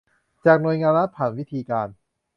จากหน่วยงานรัฐผ่านวิธีการ